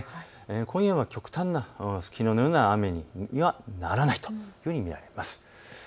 今夜は極端なきのうのような雨にはならないというふうに見られます。